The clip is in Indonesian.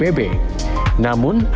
namun ada juga di jawa barat